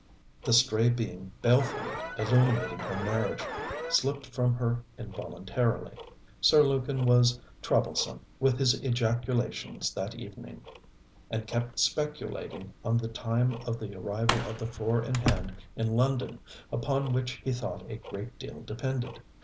The stray beam balefully illuminating her marriage slipped from her involuntarily. Sir Lukin was troublesome with his ejaculations that evening, and kept speculating on the time of the arrival of the four in hand in London; upon which he thought a great deal depended.